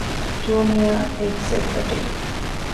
ޖޫނިއަރ އެގްޒެކަޓިވް